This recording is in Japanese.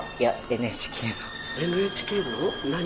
ＮＨＫの？